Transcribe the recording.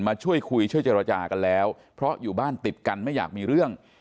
มาช่วยคุยช่วยเจรจากันแล้วเพราะอยู่บ้านติดกันไม่อยากมีเรื่อง